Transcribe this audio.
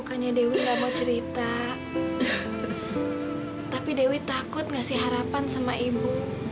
bukannya dewi nggak mau cerita tapi dewi takut ngasih harapan sama ibu